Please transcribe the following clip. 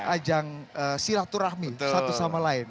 ajang silaturahmi satu sama lain